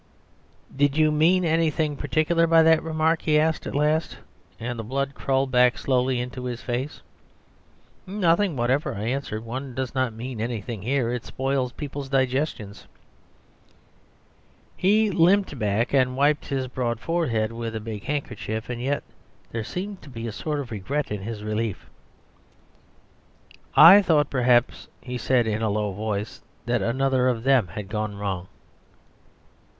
"Did you mean anything particular by that remark?" he asked at last, and the blood crawled back slowly into his face. "Nothing whatever," I answered. "One does not mean anything here; it spoils people's digestions." He limped back and wiped his broad forehead with a big handkerchief; and yet there seemed to be a sort of regret in his relief. "I thought perhaps," he said in a low voice, "that another of them had gone wrong."